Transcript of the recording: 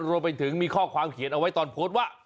รวมไปถึงมีข้อความเขียนเอาไว้ตอนโพสต์ว่า